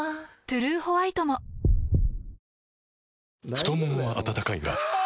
太ももは温かいがあ！